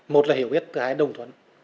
một là hiểu biết thứ hai là đồng thuận